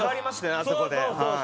あそこで。